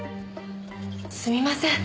すみません。